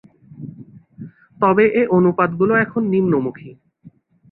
তবে এ অনুপাতগুলো এখন নিম্নমুখী।